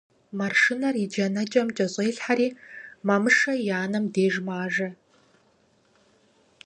Маршынэр и джанэкӀэм кӀэщӀелъхьэри Мамышэ и анэм деж мажэ.